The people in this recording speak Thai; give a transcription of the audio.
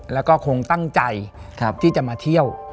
แล้วก็คงตั้งใจที่จะมาเที่ยว